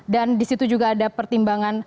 dan disitu juga ada pertimbangan